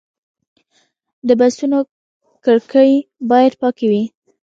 د بسونو کړکۍ باید پاکې وي.